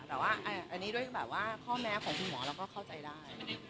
แต่ว่าอันนี้ด้วยแบบว่าข้อแม้ของคุณหมอเราก็เข้าใจได้